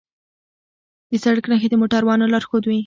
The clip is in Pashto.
د سړک نښې د موټروانو لارښودوي.